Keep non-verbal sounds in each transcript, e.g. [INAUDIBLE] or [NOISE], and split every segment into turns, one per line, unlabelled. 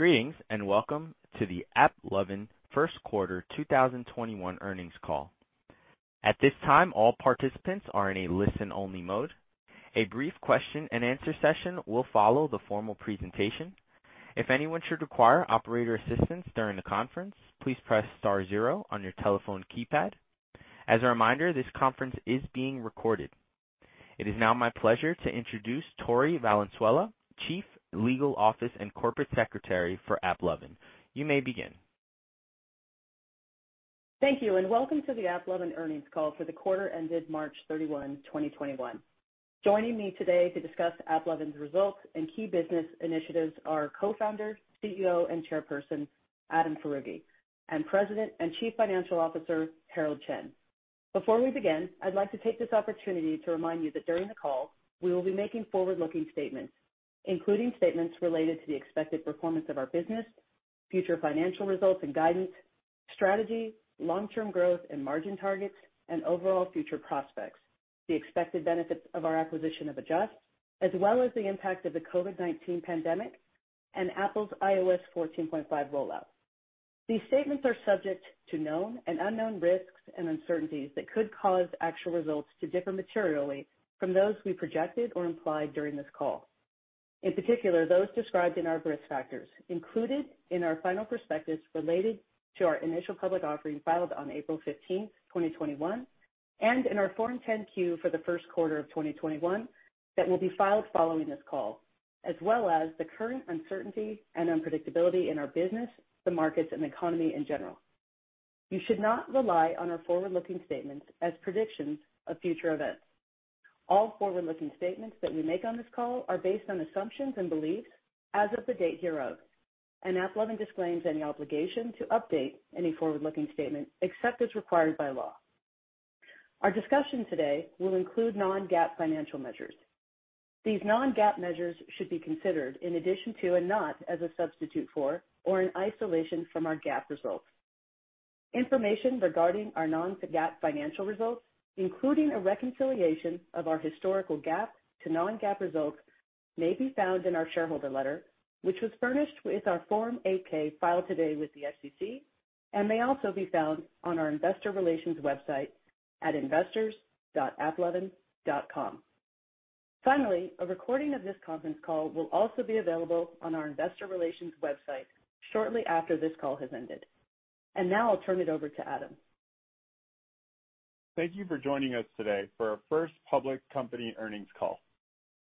Greetings, and welcome to the AppLovin First Quarter 2021 Earnings Call. At this time, all participants are in a listen-only mode. A brief question and answer session will follow the formal presentation. If anyone should require operator assistance during the conference, please press star zero on your telephone keypad. As a reminder, this conference is being recorded. It is now my pleasure to introduce Tory Valenzuela, Chief Legal Officer and Corporate Secretary for AppLovin. You may begin.
Thank you, and welcome to the AppLovin earnings call for the quarter ended March 31, 2021. Joining me today to discuss AppLovin's results and key business initiatives are Co-founder, CEO, and Chairperson, Adam Foroughi, and President and Chief Financial Officer, Herald Chen. Before we begin, I'd like to take this opportunity to remind you that during the call, we will be making forward-looking statements, including statements related to the expected performance of our business, future financial results and guidance, strategy, long-term growth and margin targets, and overall future prospects, the expected benefits of our acquisition of Adjust, as well as the impact of the COVID-19 pandemic and Apple's iOS 14.5 rollout. These statements are subject to known and unknown risks and uncertainties that could cause actual results to differ materially from those we projected or implied during this call. In particular, those described in our risk factors included in our final prospectus related to our initial public offering filed on April 15, 2021, and in our Form 10-Q for the first quarter of 2021 that will be filed following this call, as well as the current uncertainty and unpredictability in our business, the markets, and economy in general. You should not rely on our forward-looking statements as predictions of future events. All forward-looking statements that we make on this call are based on assumptions and beliefs as of the date hereof, and AppLovin disclaims any obligation to update any forward-looking statement, except as required by law. Our discussion today will include non-GAAP financial measures. These non-GAAP measures should be considered in addition to, and not as a substitute for or in isolation from, our GAAP results. Information regarding our non-GAAP financial results, including a reconciliation of our historical GAAP to non-GAAP results, may be found in our shareholder letter, which was furnished with our Form 8-K filed today with the SEC and may also be found on our investor relations website at investors.applovin.com. Finally, a recording of this conference call will also be available on our investor relations website shortly after this call has ended. Now I'll turn it over to Adam.
Thank you for joining us today for our first public company earnings call.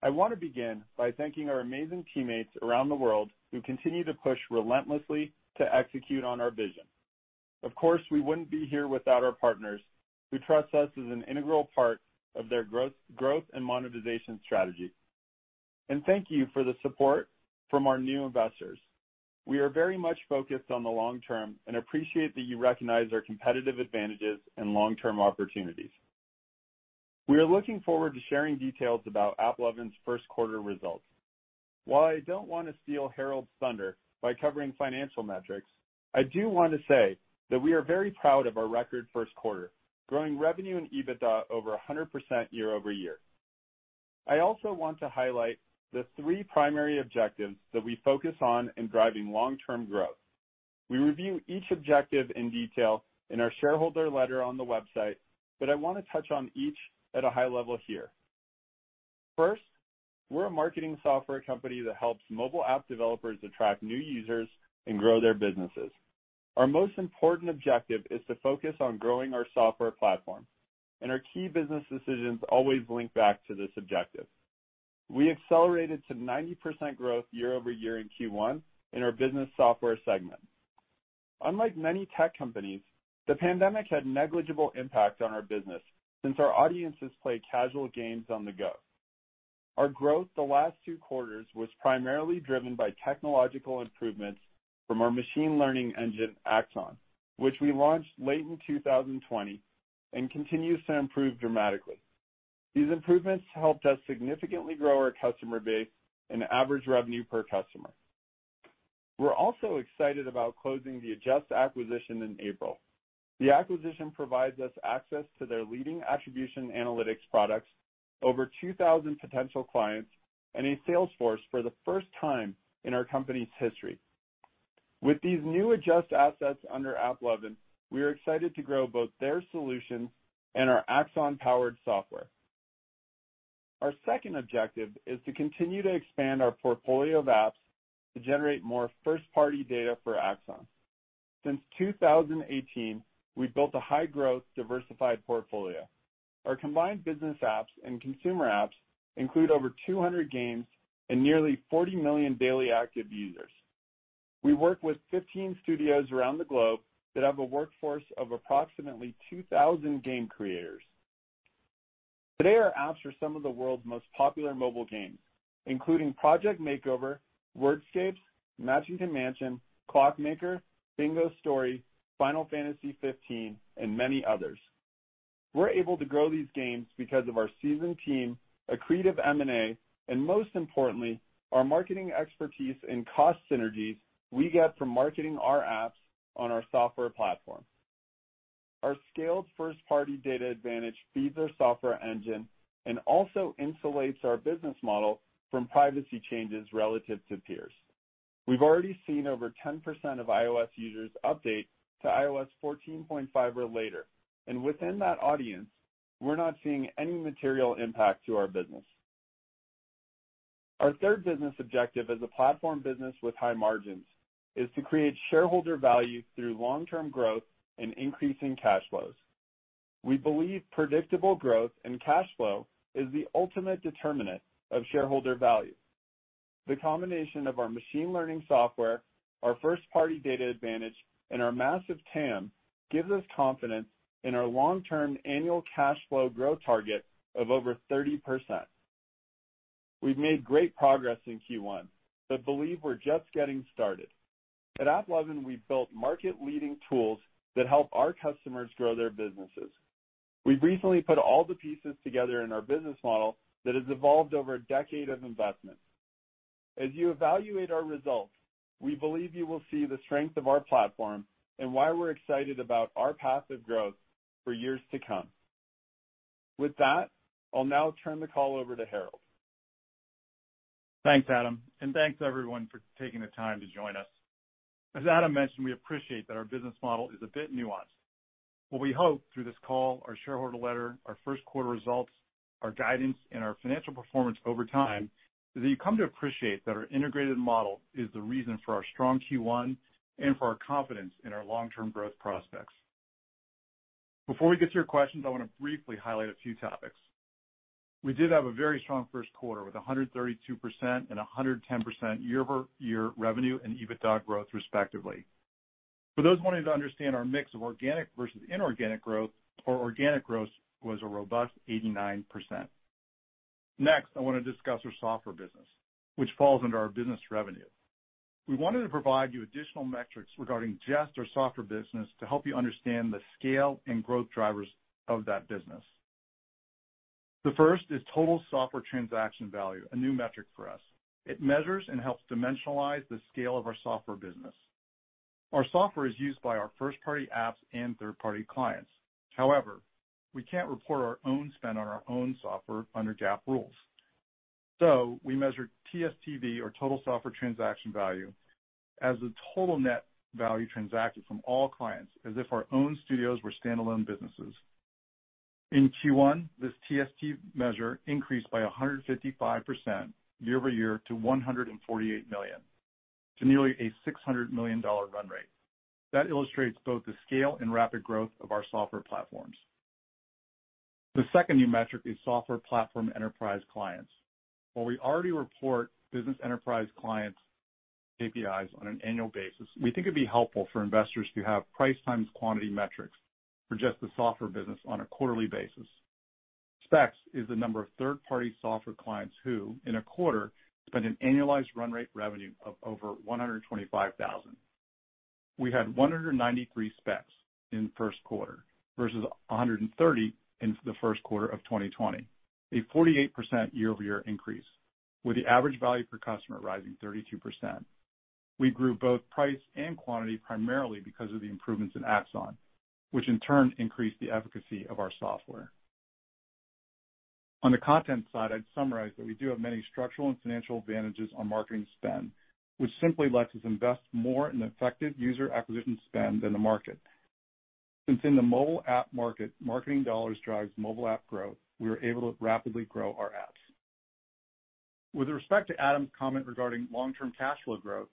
I want to begin by thanking our amazing teammates around the world who continue to push relentlessly to execute on our vision. Of course, we wouldn't be here without our partners who trust us as an integral part of their growth and monetization strategy. Thank you for the support from our new investors. We are very much focused on the long term and appreciate that you recognize our competitive advantages and long-term opportunities. We are looking forward to sharing details about AppLovin's first quarter results. While I don't want to steal Herald Chen's thunder by covering financial metrics, I do want to say that we are very proud of our record first quarter, growing revenue and EBITDA over 100% year-over-year. I also want to highlight the three primary objectives that we focus on in driving long-term growth. We review each objective in detail in our shareholder letter on the website. I want to touch on each at a high level here. First, we're a marketing software company that helps mobile app developers attract new users and grow their businesses. Our most important objective is to focus on growing our software platform. Our key business decisions always link back to this objective. We accelerated to 90% growth year-over-year in Q1 in our business software segment. Unlike many tech companies, the pandemic had negligible impact on our business since our audiences play casual games on the go. Our growth the last two quarters was primarily driven by technological improvements from our machine learning engine, Axon, which we launched late in 2020 and continues to improve dramatically. These improvements helped us significantly grow our customer base and average revenue per customer. We're also excited about closing the Adjust acquisition in April. The acquisition provides us access to their leading attribution analytics products, over 2,000 potential clients, and a sales force for the first time in our company's history. With these new Adjust assets under AppLovin, we are excited to grow both their solutions and our Axon-powered software. Our second objective is to continue to expand our portfolio of apps to generate more first-party data for Axon. Since 2018, we've built a high-growth, diversified portfolio. Our combined business apps and consumer apps include over 200 games and nearly 40 million daily active users. We work with 15 studios around the globe that have a workforce of approximately 2,000 game creators. Today, our apps are some of the world's most popular mobile games, including Project Makeover, Wordscapes, Matchington Mansion, Clockmaker, Bingo Story, Final Fantasy XV, and many others. We're able to grow these games because of our seasoned team, accretive M&A, and most importantly, our marketing expertise and cost synergies we get from marketing our apps on our software platform. Our scaled first-party data advantage feeds our software engine and also insulates our business model from privacy changes relative to peers. We've already seen over 10% of iOS users update to iOS 14.5 or later, within that audience, we're not seeing any material impact to our business. Our third business objective as a platform business with high margins is to create shareholder value through long-term growth and increasing cash flows. We believe predictable growth and cash flow is the ultimate determinant of shareholder value. The combination of our machine learning software, our first-party data advantage, and our massive TAM gives us confidence in our long-term annual cash flow growth target of over 30%. We've made great progress in Q1, but believe we're just getting started. At AppLovin, we've built market-leading tools that help our customers grow their businesses. We've recently put all the pieces together in our business model that has evolved over a decade of investment. As you evaluate our results, we believe you will see the strength of our platform and why we're excited about our path of growth for years to come. With that, I'll now turn the call over to Herald.
Thanks, Adam, and thanks, everyone, for taking the time to join us. As Adam mentioned, we appreciate that our business model is a bit nuanced. What we hope through this call, our shareholder letter, our first quarter results, our guidance, and our financial performance over time is that you come to appreciate that our integrated model is the reason for our strong Q1 and for our confidence in our long-term growth prospects. Before we get to your questions, I want to briefly highlight a few topics. We did have a very strong first quarter with 132% and 110% year-over-year revenue and EBITDA growth, respectively. For those wanting to understand our mix of organic versus inorganic growth, our organic growth was a robust 89%. Next, I want to discuss our software business, which falls under our business revenue. We wanted to provide you additional metrics regarding just our software business to help you understand the scale and growth drivers of that business. The first is total software transaction value, a new metric for us. It measures and helps dimensionalize the scale of our software business. Our software is used by our first-party apps and third-party clients. However, we can't report our own spend on our own software under GAAP rules. We measure TSTV or total software transaction value as the total net value transacted from all clients as if our own studios were standalone businesses. In Q1, this TSTV measure increased by 155% year-over-year to $148 million, to nearly a $600 million run rate. That illustrates both the scale and rapid growth of our software platforms. The second new metric is software platform enterprise clients. While we already report business enterprise clients KPIs on an annual basis, we think it'd be helpful for investors to have price times quantity metrics for just the software business on a quarterly basis. SPEC is the number of third-party software clients who, in a quarter, spend an annualized run rate revenue of over $125,000. We had 193 SPECs in the first quarter versus 130 in the first quarter of 2020, a 48% year-over-year increase, with the average value per customer rising 32%. We grew both price and quantity primarily because of the improvements in Axon, which in turn increased the efficacy of our software. On the content side, I'd summarize that we do have many structural and financial advantages on marketing spend, which simply lets us invest more in effective user acquisition spend than the market. Since in the mobile app market, marketing dollars drives mobile app growth, we are able to rapidly grow our apps. With respect to Adam's comment regarding long-term cash flow growth,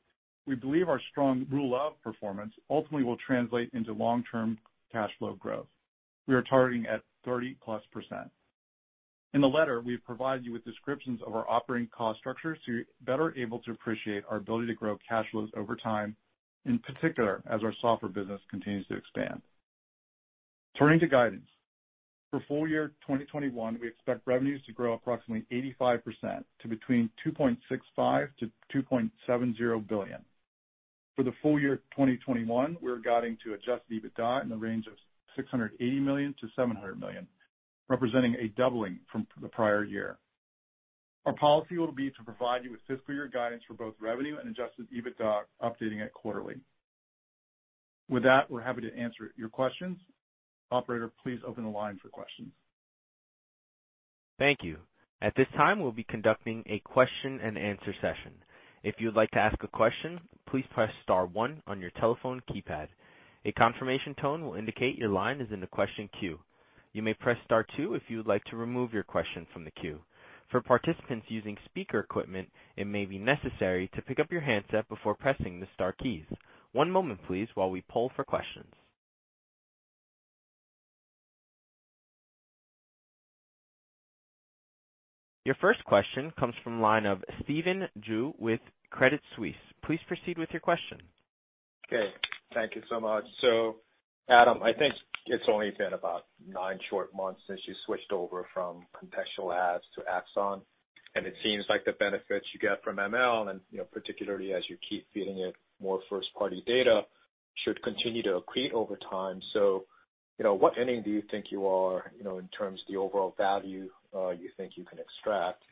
we believe our strong rule of performance ultimately will translate into long-term cash flow growth. We are targeting at 30%+. In the letter, we have provided you with descriptions of our operating cost structure so you're better able to appreciate our ability to grow cash flows over time, in particular, as our software business continues to expand. Turning to guidance. For full year 2021, we expect revenues to grow approximately 85% to between $2.65 billion-$2.70 billion. For the full year 2021, we're guiding to Adjusted EBITDA in the range of $680 million-$700 million, representing a doubling from the prior year. Our policy will be to provide you with fiscal year guidance for both revenue and Adjusted EBITDA, updating it quarterly. With that, we're happy to answer your questions. Operator, please open the line for questions.
Thank you. At this time, we'll be conducting a question and answer session. If you would like to ask a question, please press star one on your telephone keypad. A confirmation tone will indicate your line is in the question queue. You may press star two if you would like to remove your question from the queue. For participants using speaker equipment, it may be necessary to pick up your handset before pressing the star keys. One moment, please, while we poll for questions. Your first question comes from the line of Stephen Ju with Credit Suisse. Please proceed with your question.
Okay. Thank you so much. Adam, I think it's only been about nine short months since you switched over from contextual ads to Axon, and it seems like the benefits you get from ML and particularly as you keep feeding it more first-party data, should continue to accrete over time. What inning do you think you are in terms of the overall value you think you can extract?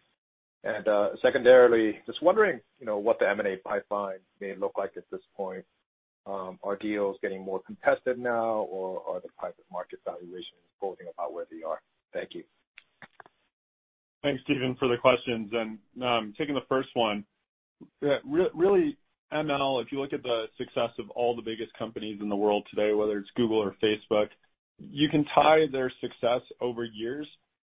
Secondarily, just wondering what the M&A pipeline may look like at this point. Are deals getting more contested now, or are the private market valuations floating about where they are? Thank you.
Thanks, Stephen, for the questions. Taking the first one. Really, ML, if you look at the success of all the biggest companies in the world today, whether it's Google or Facebook, you can tie their success over years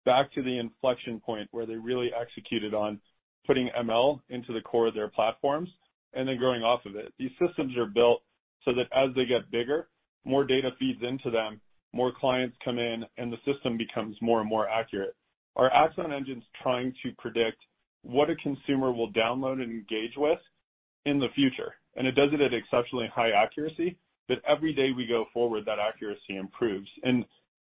back to the inflection point where they really executed on putting ML into the core of their platforms and then growing off of it. These systems are built so that as they get bigger, more data feeds into them, more clients come in, and the system becomes more and more accurate. Our Axon engine's trying to predict what a consumer will download and engage with in the future, and it does it at exceptionally high accuracy. Every day we go forward, that accuracy improves.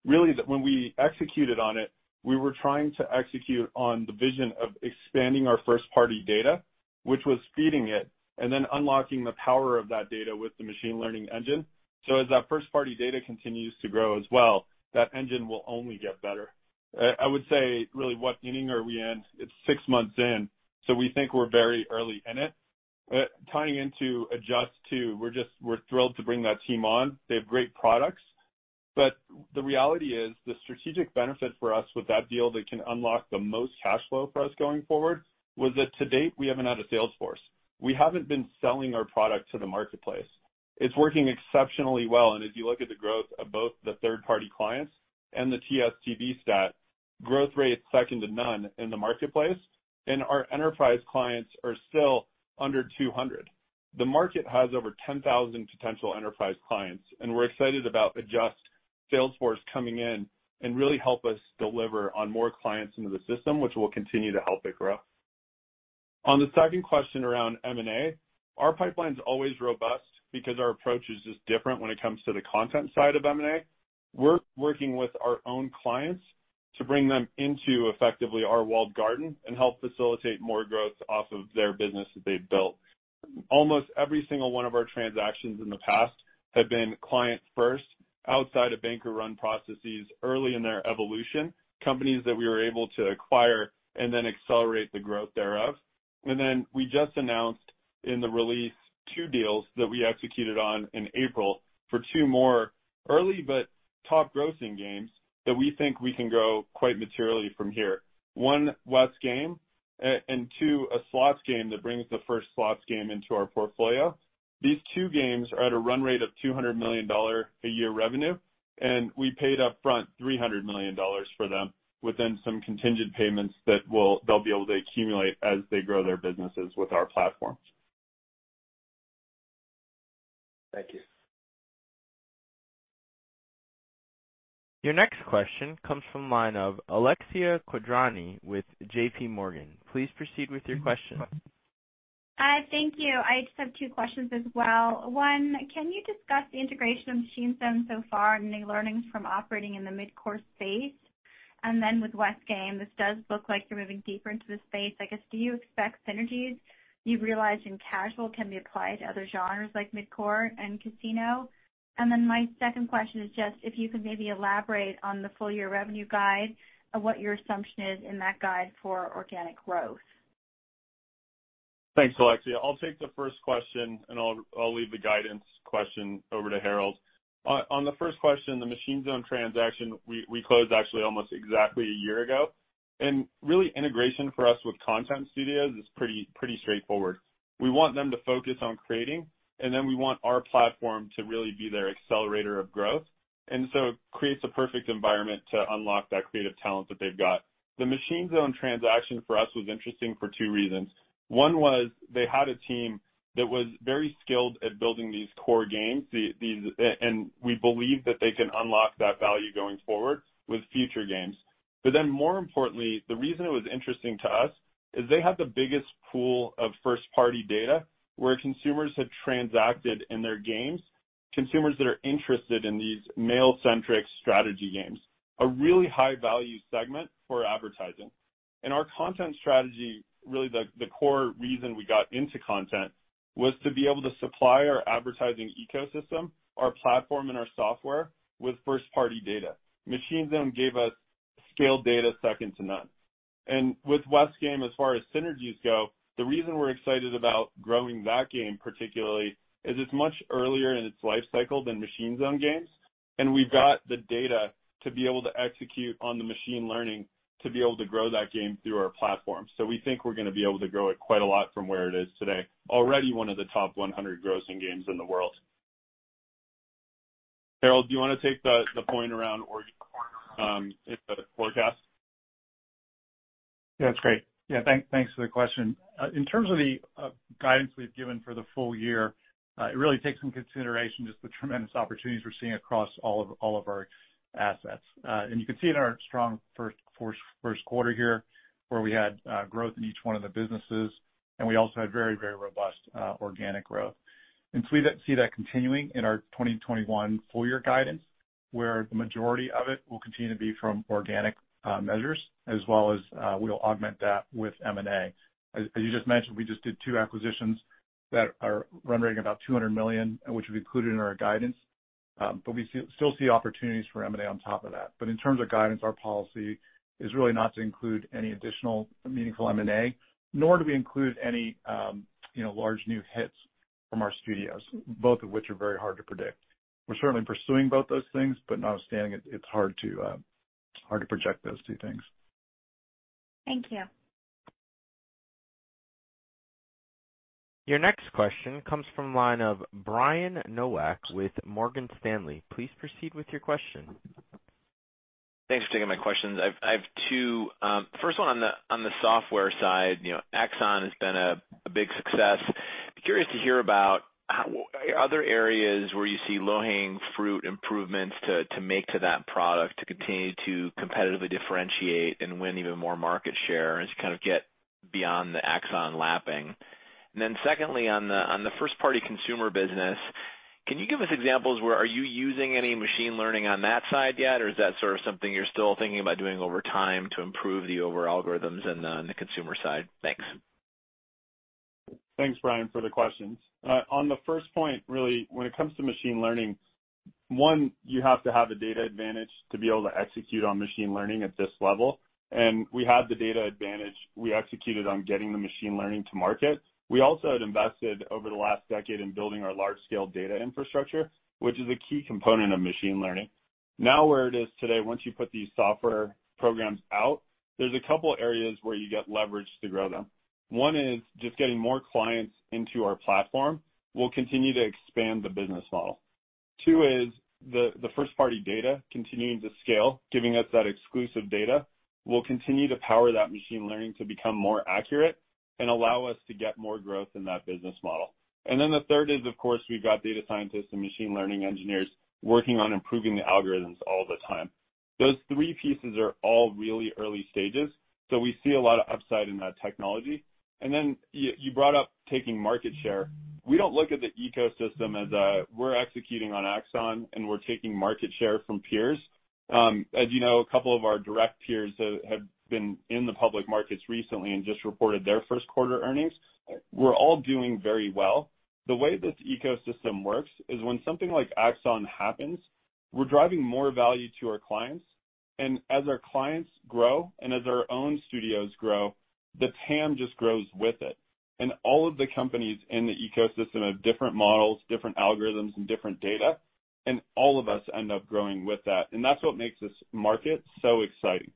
Really, when we executed on it, we were trying to execute on the vision of expanding our first-party data, which was feeding it, and then unlocking the power of that data with the machine learning engine. As that first-party data continues to grow as well, that engine will only get better. I would say, really, what inning are we in? It's six months in, we think we're very early in it. Tying into Adjust too. We're thrilled to bring that team on. They have great products. The reality is, the strategic benefit for us with that deal that can unlock the most cash flow for us going forward, was that to date, we haven't had a sales force. We haven't been selling our product to the marketplace. It's working exceptionally well. If you look at the growth of both the third-party clients and the TSTV stat, growth rate's second to none in the marketplace. Our enterprise clients are still under 200. The market has over 10,000 potential enterprise clients, and we're excited about Adjust sales force coming in and really help us deliver on more clients into the system, which will continue to help it grow. On the second question around M&A, our pipeline's always robust because our approach is just different when it comes to the content side of M&A. We're working with our own clients to bring them into effectively our walled garden and help facilitate more growth off of their business that they've built. Almost every single one of our transactions in the past have been client first outside of banker-run processes early in their evolution, companies that we were able to acquire and then accelerate the growth thereof. We just announced in the release two deals that we executed on in April for two more early but top grossing games that we think we can grow quite materially from here. One West Game and two, a slots game that brings the first slots game into our portfolio. These two games are at a run rate of $200 million a year revenue, and we paid up front $300 million for them within some contingent payments that they'll be able to accumulate as they grow their businesses with our platforms.
Thank you.
Your next question comes from the line of Alexia Quadrani with JPMorgan. Please proceed with your question.
Hi, thank you. I just have two questions as well. One, can you discuss the integration of Machine Zone so far and any learnings from operating in the mid-core space? With West Game, this does look like you're moving deeper into the space. I guess, do you expect synergies you've realized in casual can be applied to other genres like mid-core and casino? My second question is just if you could maybe elaborate on the full year revenue guide of what your assumption is in that guide for organic growth.
Thanks, Alexia. I'll take the first question, and I'll leave the guidance question over to Herald. On the first question, the Machine Zone transaction, we closed actually almost exactly a year ago. Really integration for us with content studios is pretty straightforward. We want them to focus on creating, and then we want our platform to really be their accelerator of growth. It creates a perfect environment to unlock that creative talent that they've got. The Machine Zone transaction for us was interesting for two reasons. One was they had a team that was very skilled at building these core games, and we believe that they can unlock that value going forward with future games. More importantly, the reason it was interesting to us is they have the biggest pool of first-party data where consumers had transacted in their games, consumers that are interested in these male-centric strategy games, a really high-value segment for advertising. Our content strategy, really the core reason we got into content, was to be able to supply our advertising ecosystem, our platform, and our software with first-party data. Machine Zone gave us scaled data second to none. With West Game, as far as synergies go, the reason we're excited about growing that game particularly is it's much earlier in its life cycle than Machine Zone games. We've got the data to be able to execute on the machine learning to be able to grow that game through our platform. We think we're going to be able to grow it quite a lot from where it is today. Already one of the top 100 grossing games in the world. Herald, do you want to take the point around [AUDIO DISTORTION] forecast?
Yeah, that's great. Yeah, thanks for the question. In terms of the guidance we've given for the full year, it really takes into consideration just the tremendous opportunities we're seeing across all of our assets. You can see in our strong first quarter here, where we had growth in each one of the businesses, and we also had very robust organic growth. We see that continuing in our 2021 full year guidance, where the majority of it will continue to be from organic measures as well as we'll augment that with M&A. As you just mentioned, we just did two acquisitions that are run rating about $200 million, which we've included in our guidance. We still see opportunities for M&A on top of that. in terms of guidance, our policy is really not to include any additional meaningful M&A, nor do we include any large new hits from our studios, both of which are very hard to predict. We're certainly pursuing both those things, but notwithstanding, it's hard to project those two things.
Thank you.
Your next question comes from the line of Brian Nowak with Morgan Stanley. Please proceed with your question.
Thanks for taking my questions. I have two. First one on the software side. Axon has been a big success. Be curious to hear about other areas where you see low-hanging fruit improvements to make to that product to continue to competitively differentiate and win even more market share as you get beyond the Axon lapping. Secondly, on the first-party consumer business, can you give us examples where are you using any machine learning on that side yet, or is that sort of something you're still thinking about doing over time to improve the overall algorithms on the consumer side? Thanks.
Thanks, Brian, for the questions. On the first point, really, when it comes to machine learning, one, you have to have a data advantage to be able to execute on machine learning at this level. We had the data advantage. We executed on getting the machine learning to market. We also had invested over the last decade in building our large-scale data infrastructure, which is a key component of machine learning. Now where it is today, once you put these software programs out, there's a couple areas where you get leverage to grow them. One is just getting more clients into our platform. We'll continue to expand the business model. Two is the first-party data continuing to scale, giving us that exclusive data. We'll continue to power that machine learning to become more accurate and allow us to get more growth in that business model. The third is, of course, we've got data scientists and machine learning engineers working on improving the algorithms all the time. Those three pieces are all really early stages, so we see a lot of upside in that technology. You brought up taking market share. We don't look at the ecosystem as we're executing on Axon and we're taking market share from peers. As you know, a couple of our direct peers have been in the public markets recently and just reported their first quarter earnings. We're all doing very well. The way this ecosystem works is when something like Axon happens, we're driving more value to our clients, and as our clients grow and as our own studios grow, the TAM just grows with it. all of the companies in the ecosystem have different models, different algorithms, and different data, and all of us end up growing with that. that's what makes this market so exciting.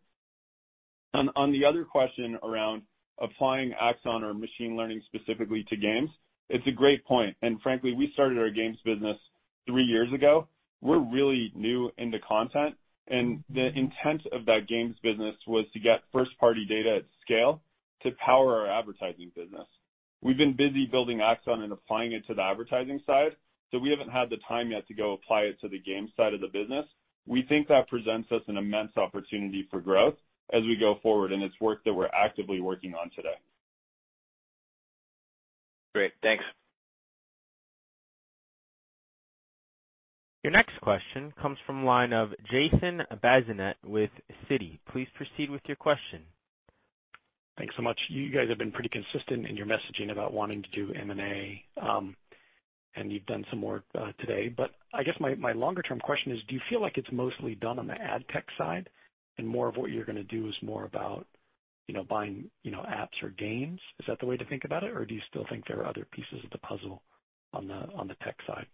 On the other question around applying Axon or machine learning specifically to games, it's a great point. frankly, we started our games business three years ago. We're really new into content, and the intent of that games business was to get first-party data at scale to power our advertising business. We've been busy building Axon and applying it to the advertising side, so we haven't had the time yet to go apply it to the games side of the business. We think that presents us an immense opportunity for growth as we go forward, and it's work that we're actively working on today.
Great. Thanks.
Your next question comes from the line of Jason Bazinet with Citi. Please proceed with your question.
Thanks so much. You guys have been pretty consistent in your messaging about wanting to do M&A, and you've done some more today. I guess my longer-term question is, do you feel like it's mostly done on the ad tech side and more of what you're going to do is more about buying apps or games? Is that the way to think about it, or do you still think there are other pieces of the puzzle on the tech side?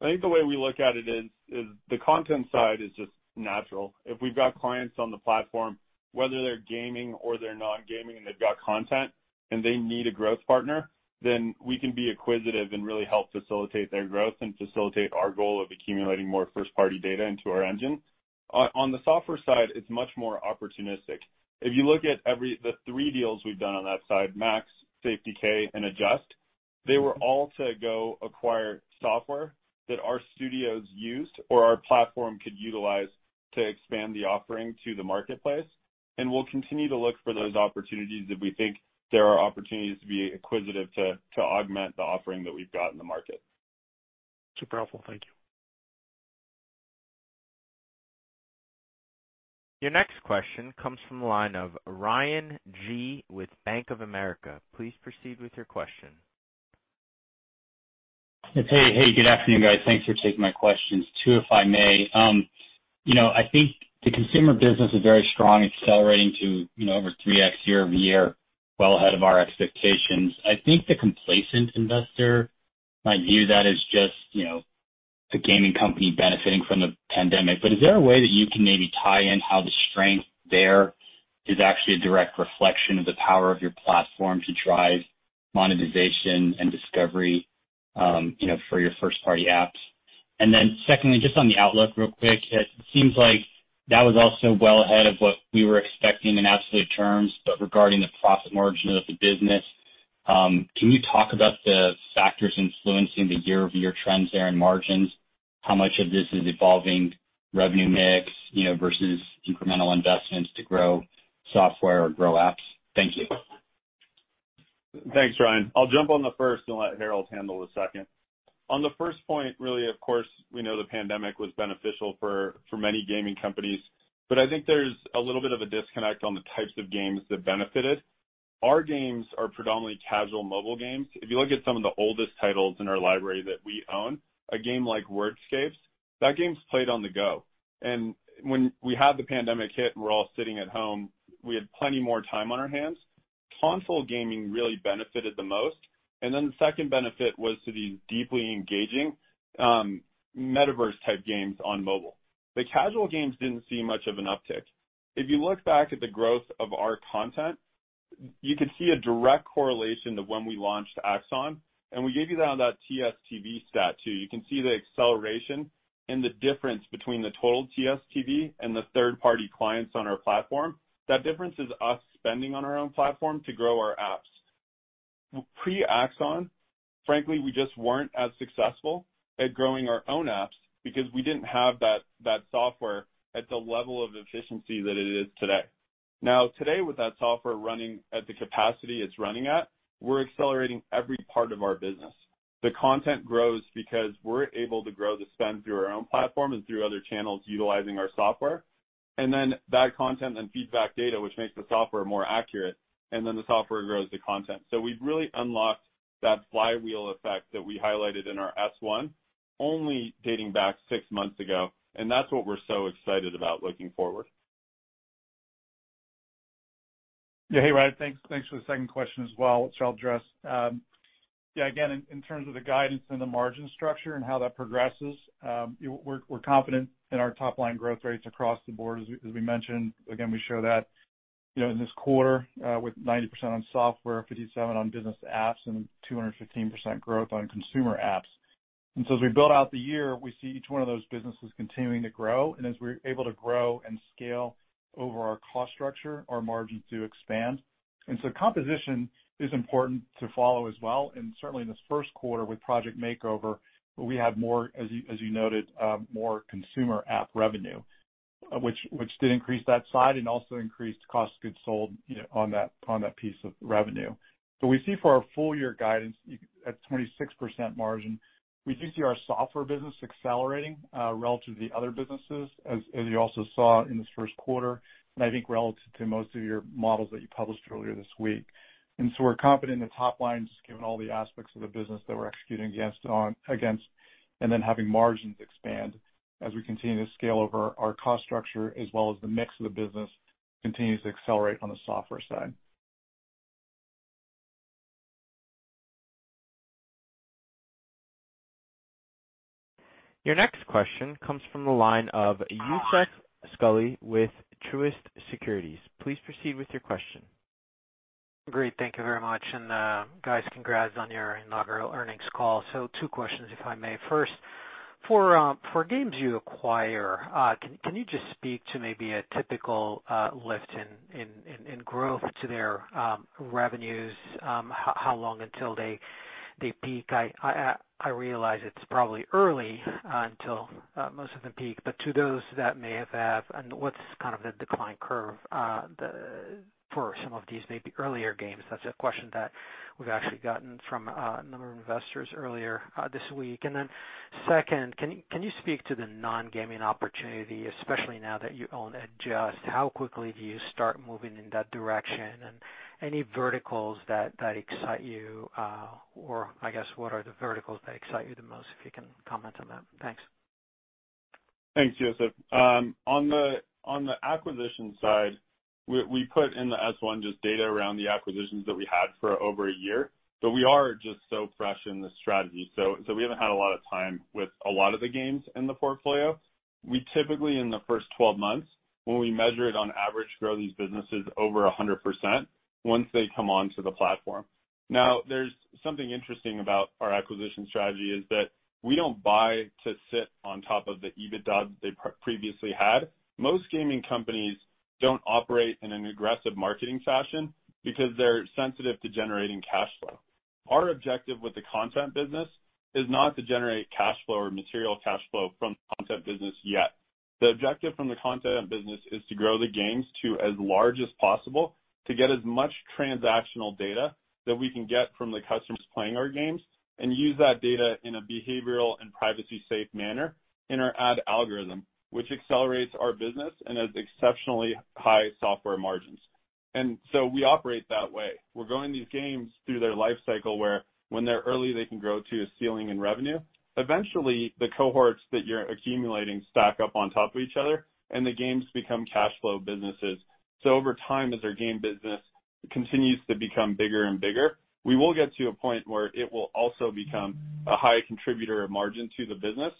I think the way we look at it is the content side is just natural. If we've got clients on the platform, whether they're gaming or they're non-gaming and they've got content and they need a growth partner, then we can be acquisitive and really help facilitate their growth and facilitate our goal of accumulating more first-party data into our engine. On the software side, it's much more opportunistic. If you look at the three deals we've done on that side, MAX, SafeDK, and Adjust, they were all to go acquire software that our studios used or our platform could utilize to expand the offering to the marketplace, and we'll continue to look for those opportunities if we think there are opportunities to be acquisitive to augment the offering that we've got in the market.
Super helpful. Thank you.
Your next question comes from the line of Ryan Gee with Bank of America. Please proceed with your question.
Hey, good afternoon, guys. Thanks for taking my questions. Two, if I may. I think the consumer business is very strong, accelerating to over 3x year-over-year, well ahead of our expectations. I think the complacent investor might view that as just a gaming company benefiting from the pandemic. Is there a way that you can maybe tie in how the strength there is actually a direct reflection of the power of your platform to drive monetization and discovery for your first-party apps? Then secondly, just on the outlook real quick, it seems like that was also well ahead of what we were expecting in absolute terms, but regarding the profit margin of the business. Can you talk about the factors influencing the year-over-year trends there in margins? How much of this is evolving revenue mix versus incremental investments to grow software or grow apps? Thank you.
Thanks, Ryan. I'll jump on the first and let Herald handle the second. On the first point, really, of course, we know the pandemic was beneficial for many gaming companies, but I think there's a little bit of a disconnect on the types of games that benefited. Our games are predominantly casual mobile games. If you look at some of the oldest titles in our library that we own, a game like Wordscapes, that game's played on the go. When we had the pandemic hit and we're all sitting at home, we had plenty more time on our hands. Console gaming really benefited the most, and then the second benefit was to these deeply engaging metaverse-type games on mobile. The casual games didn't see much of an uptick. If you look back at the growth of our content, you could see a direct correlation to when we launched Axon, and we gave you that on that TSTV stat too. You can see the acceleration and the difference between the total TSTV and the third-party clients on our platform. That difference is us spending on our own platform to grow our apps. Pre-Axon, frankly, we just weren't as successful at growing our own apps because we didn't have that software at the level of efficiency that it is today. Now, today, with that software running at the capacity it's running at, we're accelerating every part of our business. The content grows because we're able to grow the spend through our own platform and through other channels utilizing our software. That content then feeds back data, which makes the software more accurate, and then the software grows the content. We've really unlocked that flywheel effect that we highlighted in our S-1 only dating back six months ago, and that's what we're so excited about looking forward.
Yeah. Hey, Ryan. Thanks for the second question as well, which I'll address. Yeah, again, in terms of the guidance and the margin structure and how that progresses, we're confident in our top-line growth rates across the board, as we mentioned. Again, we show that in this quarter with 90% on software, 57% on business apps, and 215% growth on consumer apps. As we build out the year, we see each one of those businesses continuing to grow. As we're able to grow and scale over our cost structure, our margins do expand. Composition is important to follow as well. Certainly in this first quarter with Project Makeover, where we had more, as you noted, more consumer app revenue, which did increase that side and also increased cost of goods sold on that piece of revenue. We see for our full-year guidance at 26% margin, we do see our software business accelerating relative to the other businesses, as you also saw in this first quarter, and I think relative to most of your models that you published earlier this week. We're confident in the top lines, given all the aspects of the business that we're executing against, and then having margins expand as we continue to scale over our cost structure, as well as the mix of the business continues to accelerate on the software side.
Your next question comes from the line of Youssef Squali with Truist Securities. Please proceed with your question.
Great. Thank you very much. Guys, congrats on your inaugural earnings call. Two questions, if I may. First, for games you acquire, can you just speak to maybe a typical lift in growth to their revenues? How long until they peak? I realize it's probably early until most of them peak, but to those that may have, and what's kind of the decline curve for some of these maybe earlier games? That's a question that we've actually gotten from a number of investors earlier this week. Second, can you speak to the non-gaming opportunity, especially now that you own Adjust. How quickly do you start moving in that direction? Any verticals that excite you or I guess, what are the verticals that excite you the most, if you can comment on that? Thanks.
Thanks, Youssef Squali. On the acquisition side, we put in the S-1 just data around the acquisitions that we had for over a year. We are just so fresh in this strategy, so we haven't had a lot of time with a lot of the games in the portfolio. We typically, in the first 12 months, when we measure it on average, grow these businesses over 100% once they come onto the platform. There's something interesting about our acquisition strategy is that we don't buy to sit on top of the EBITDA they previously had. Most gaming companies don't operate in an aggressive marketing fashion because they're sensitive to generating cash flow. Our objective with the content business is not to generate cash flow or material cash flow from content business yet. The objective from the content business is to grow the games to as large as possible to get as much transactional data that we can get from the customers playing our games and use that data in a behavioral and privacy-safe manner in our ad algorithm, which accelerates our business and has exceptionally high software margins. We operate that way. We're growing these games through their life cycle, where when they're early, they can grow to a ceiling in revenue. Eventually, the cohorts that you're accumulating stack up on top of each other, and the games become cash flow businesses. Over time, as our game business continues to become bigger and bigger, we will get to a point where it will also become a high contributor of margin to the business.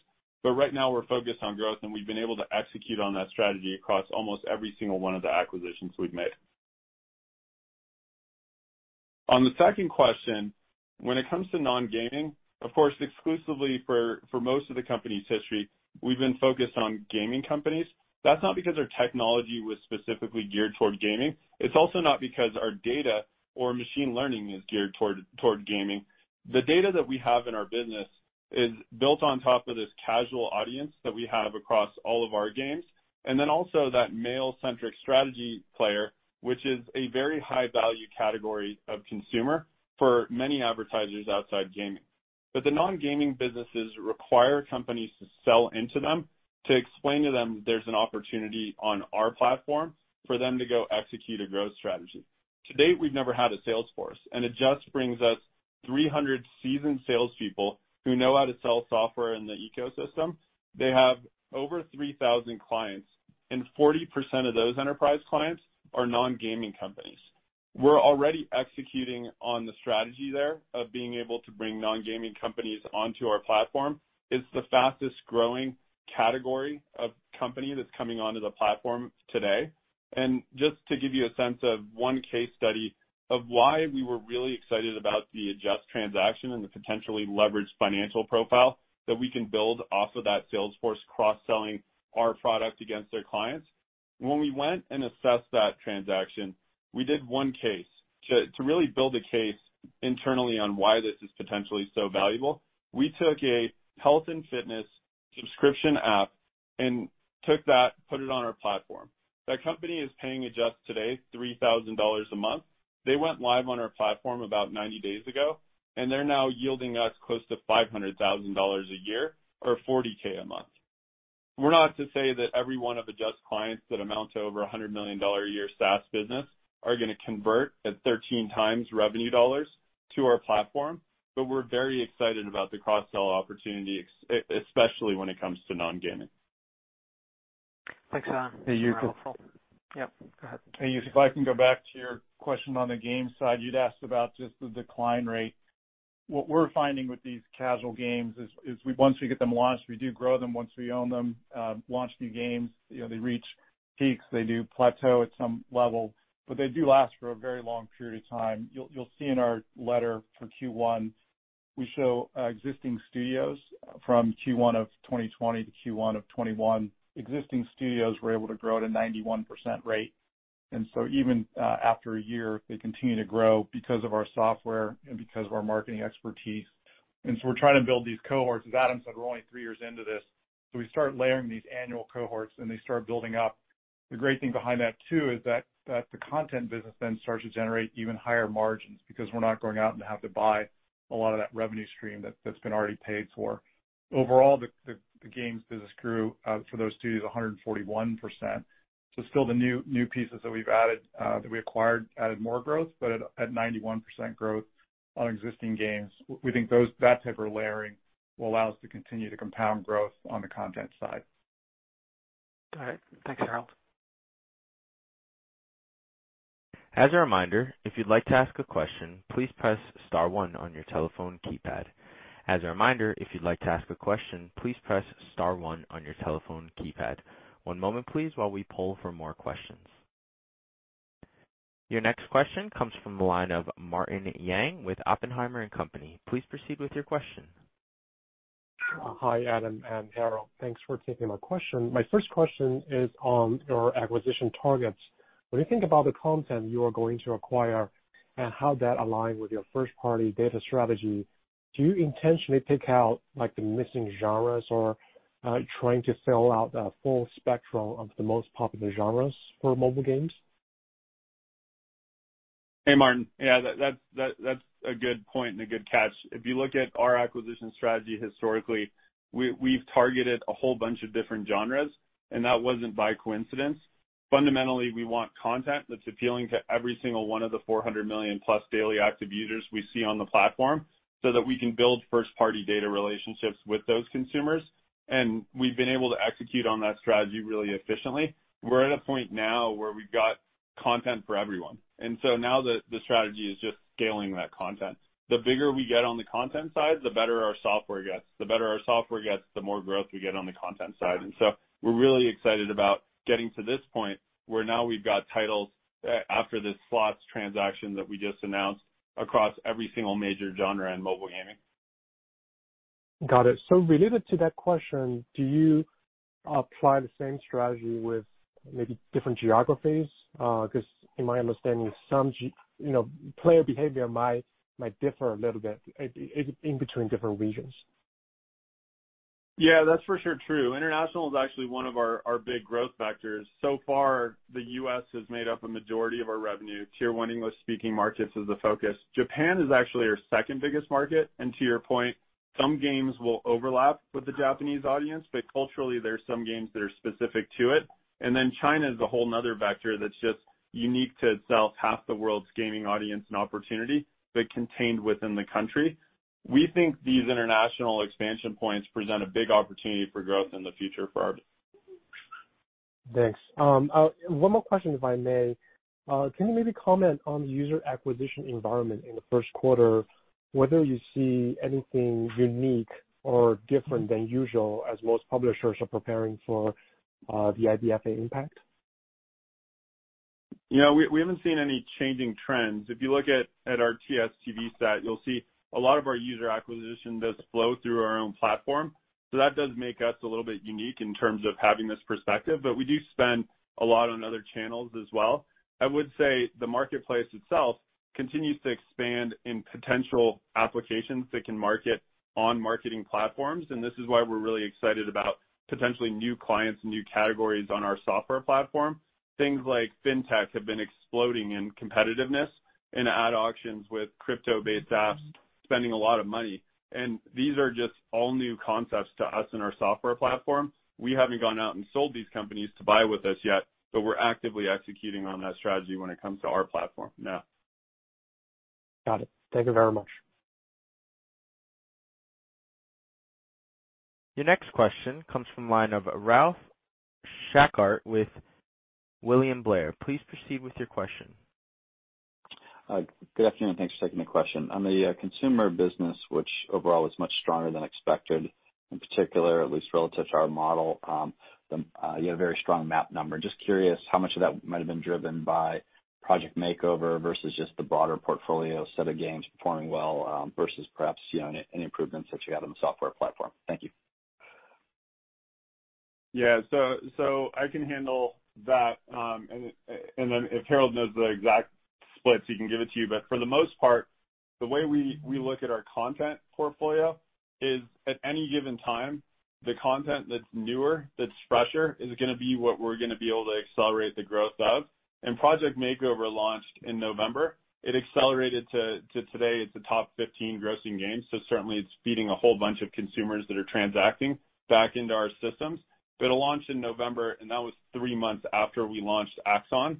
Right now, we're focused on growth, and we've been able to execute on that strategy across almost every single one of the acquisitions we've made. On the second question, when it comes to non-gaming, of course, exclusively for most of the company's history, we've been focused on gaming companies. That's not because our technology was specifically geared toward gaming. It's also not because our data or machine learning is geared toward gaming. The data that we have in our business is built on top of this casual audience that we have across all of our games, and then also that male-centric strategy player, which is a very high-value category of consumer for many advertisers outside gaming. The non-gaming businesses require companies to sell into them to explain to them there's an opportunity on our platform for them to go execute a growth strategy. To date, we've never had a sales force, and Adjust brings us 300 seasoned salespeople who know how to sell software in the ecosystem. They have over 3,000 clients, and 40% of those enterprise clients are non-gaming companies. We're already executing on the strategy there of being able to bring non-gaming companies onto our platform. It's the fastest-growing category of company that's coming onto the platform today. Just to give you a sense of one case study of why we were really excited about the Adjust transaction and the potentially leveraged financial profile that we can build off of that sales force cross-selling our product against their clients. When we went and assessed that transaction, we did one case. To really build a case internally on why this is potentially so valuable, we took a health and fitness subscription app and took that, put it on our platform. That company is paying Adjust today $3,000 a month. They went live on our platform about 90 days ago, and they're now yielding us close to $500,000 a year or $40,000 a month. We're not to say that every one of Adjust clients that amount to over $100 million a year SaaS business are going to convert at 13 times revenue dollars to our platform, but we're very excited about the cross-sell opportunity, especially when it comes to non-gaming.
Thanks, Adam.
Hey, Youssef.
Very helpful. Yep, go ahead.
Hey, Youssef, if I can go back to your question on the game side, you'd asked about just the decline rate. What we're finding with these casual games is, once we get them launched, we do grow them once we own them. Launch new games they reach peaks. They do plateau at some level, but they do last for a very long period of time. You'll see in our letter for Q1, we show existing studios from Q1 of 2020 to Q1 of 2021. Existing studios were able to grow at a 91% rate. Even after a year, they continue to grow because of our software and because of our marketing expertise. We're trying to build these cohorts. As Adam said, we're only three years into this. We start layering these annual cohorts, and they start building up. The great thing behind that too is that the content business then starts to generate even higher margins because we're not going out and have to buy a lot of that revenue stream that's been already paid for. Overall, the games business grew, for those studios, 141%. Still the new pieces that we've added, that we acquired, added more growth. At 91% growth on existing games, we think that type of layering will allow us to continue to compound growth on the content side.
All right. Thanks, Herald.
As a reminder, if you'd like to ask a question, please press star one on your telephone keypad. As a reminder, if you'd like to ask a question, please press star one on your telephone keypad. One moment, please, while we poll for more questions. Your next question comes from the line of Martin Yang with Oppenheimer and Company. Please proceed with your question.
Hi, Adam and Herald. Thanks for taking my question. My first question is on your acquisition targets. When you think about the content you are going to acquire and how that align with your first-party data strategy, do you intentionally pick out the missing genres or trying to fill out a full spectrum of the most popular genres for mobile games?
Hey, Martin. Yeah, that's a good point and a good catch. If you look at our acquisition strategy historically, we've targeted a whole bunch of different genres, and that wasn't by coincidence. Fundamentally, we want content that's appealing to every single one of the 400 million+ daily active users we see on the platform so that we can build first-party data relationships with those consumers, and we've been able to execute on that strategy really efficiently. We're at a point now where we've got content for everyone, and so now the strategy is just scaling that content. The bigger we get on the content side, the better our software gets. The better our software gets, the more growth we get on the content side. We're really excited about getting to this point, where now we've got titles after the Slots transaction that we just announced across every single major genre in mobile gaming.
Got it. Related to that question, do you apply the same strategy with maybe different geographies? Because in my understanding, player behavior might differ a little bit in between different regions.
Yeah, that's for sure true. International is actually one of our big growth factors. Far, the U.S. has made up a majority of our revenue. Tier one English-speaking markets is the focus. Japan is actually our second biggest market. To your point, some games will overlap with the Japanese audience, but culturally, there are some games that are specific to it. Then China is a whole another vector that's just unique to itself. Half the world's gaming audience and opportunity, but contained within the country. We think these international expansion points present a big opportunity for growth in the future for our business.
Thanks. One more question, if I may. Can you maybe comment on the user acquisition environment in the first quarter, whether you see anything unique or different than usual as most publishers are preparing for the IDFA impact?
Yeah, we haven't seen any changing trends. If you look at our TSTV stat, you'll see a lot of our user acquisition does flow through our own platform. That does make us a little bit unique in terms of having this perspective, but we do spend a lot on other channels as well. I would say the marketplace itself continues to expand in potential applications that can market on marketing platforms, and this is why we're really excited about potentially new clients and new categories on our software platform. Things like fintech have been exploding in competitiveness in ad auctions with crypto-based apps. Spending a lot of money. These are just all new concepts to us and our software platform. We haven't gone out and sold these companies to buy with us yet, but we're actively executing on that strategy when it comes to our platform now.
Got it. Thank you very much.
Your next question comes from the line of Ralph Schackart with William Blair. Please proceed with your question.
Good afternoon. Thanks for taking the question. On the consumer business, which overall is much stronger than expected, in particular, at least relative to our model, you had a very strong MAU number. Just curious how much of that might have been driven by Project Makeover versus just the broader portfolio set of games performing well, versus perhaps any improvements that you had on the software platform. Thank you.
Yeah. I can handle that. If Herald knows the exact splits, he can give it to you. For the most part, the way we look at our content portfolio is, at any given time, the content that's newer, that's fresher, is going to be what we're going to be able to accelerate the growth of. Project Makeover launched in November. It accelerated to today, it's a top 15 grossing game. Certainly, it's feeding a whole bunch of consumers that are transacting back into our systems. It launched in November, and that was three months after we launched Axon.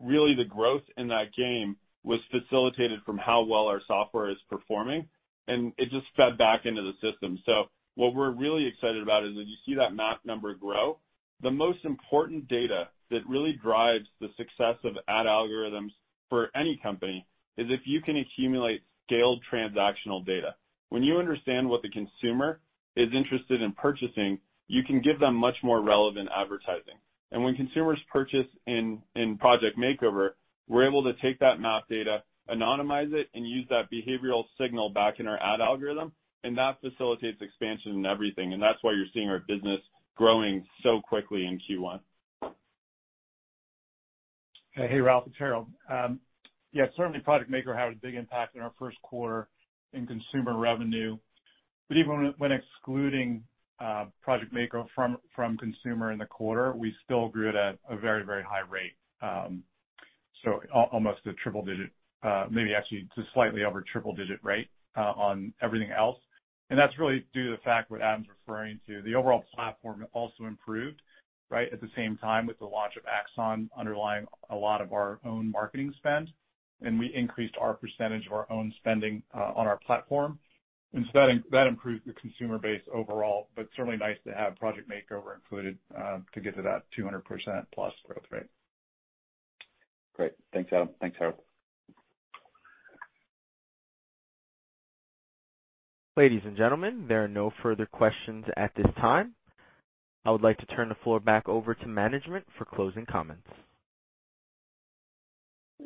Really the growth in that game was facilitated from how well our software is performing, and it just fed back into the system. What we're really excited about is when you see that MAU number grow, the most important data that really drives the success of ad algorithms for any company is if you can accumulate scaled transactional data. When you understand what the consumer is interested in purchasing, you can give them much more relevant advertising. when consumers purchase in Project Makeover, we're able to take that MAU data, anonymize it, and use that behavioral signal back in our ad algorithm, and that facilitates expansion in everything. That's why you're seeing our business growing so quickly in Q1.
Hey, Ralph, it's Herald. Yeah, certainly Project Makeover had a big impact in our first quarter in consumer revenue. Even when excluding Project Makeover from consumer in the quarter, we still grew it at a very high rate. Almost a triple digit, maybe actually to slightly over triple digit rate, on everything else. That's really due to the fact what Adam's referring to. The overall platform also improved at the same time with the launch of Axon underlying a lot of our own marketing spend. We increased our percentage of our own spending on our platform. That improved the consumer base overall, but certainly nice to have Project Makeover included to get to that 200%+ growth rate.
Great. Thanks, Adam. Thanks, Herald.
Ladies and gentlemen, there are no further questions at this time. I would like to turn the floor back over to management for closing comments.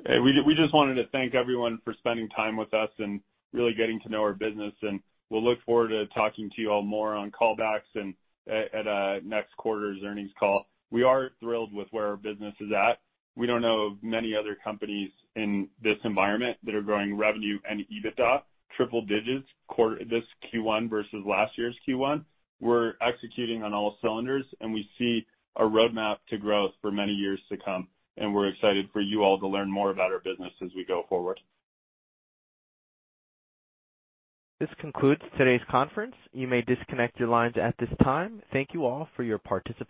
Hey, we just wanted to thank everyone for spending time with us and really getting to know our business, and we'll look forward to talking to you all more on callbacks and at next quarter's earnings call. We are thrilled with where our business is at. We don't know of many other companies in this environment that are growing revenue and EBITDA triple digits this Q1 versus last year's Q1. We're executing on all cylinders, and we see a roadmap to growth for many years to come, and we're excited for you all to learn more about our business as we go forward.
This concludes today's conference. You may disconnect your lines at this time. Thank you all for your participation.